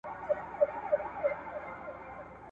دا به څوک وي چي لا پايي دې بې بد رنګه دنیاګۍ کي ..